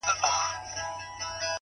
د زده کړې عمر محدود نه دی؛